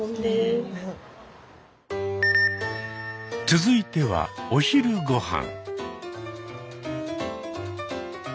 続いてはお昼ご飯。